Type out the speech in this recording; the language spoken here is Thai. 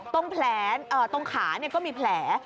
ตรงแผลตรงขาก็มีแผล